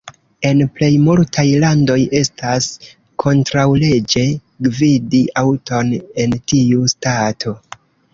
En plej multaj landoj, estas kontraŭleĝe gvidi aŭton en tiu stato.